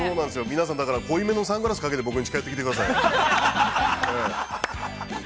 皆さん濃いめのサングラスをかけて、僕に近寄ってきてください。